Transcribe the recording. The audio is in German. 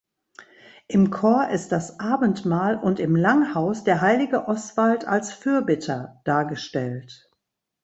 Im Chor ist das Abendmahl und im Langhaus der heilige Oswald als Fürbitter dargestellt.